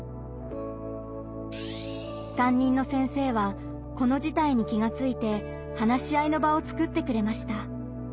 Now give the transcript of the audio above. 担任の先生はこの事態に気がついて話し合いの場を作ってくれました。